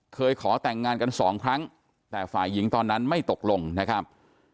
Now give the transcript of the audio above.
ขอแต่งงานกันสองครั้งแต่ฝ่ายหญิงตอนนั้นไม่ตกลงนะครับ